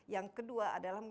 yang kedua adalah